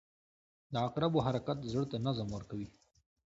• د عقربو حرکت زړه ته نظم ورکوي.